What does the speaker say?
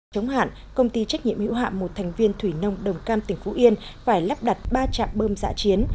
chống hạn công ty trách nhiệm hữu hạm một thành viên thủy nông đồng cam tỉnh phú yên phải lắp đặt ba trạm bơm dạ chiến